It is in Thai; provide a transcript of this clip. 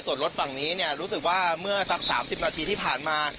ส่วนรถฝั่งนี้รู้สึกว่าเมื่อสัก๓๐นาทีที่ผ่านมา